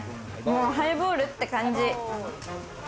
もうハイボールって感じ。